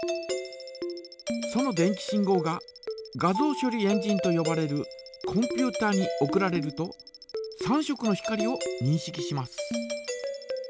その電気信号が画像処理エンジンとよばれるコンピュータに送られると３色の光をにんしきします。